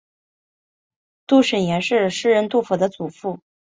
杜审言是诗人杜甫的祖父。